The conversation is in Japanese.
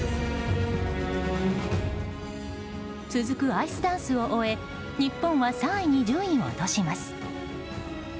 続くアイスダンスを終え日本は３位に順位を落とします。